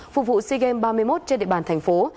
phục vụ sea games ba mươi một trên địa bàn thành phố